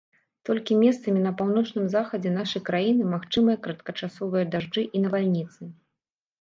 Толькі месцамі на паўночным захадзе нашай краіны магчымыя кароткачасовыя дажджы і навальніцы.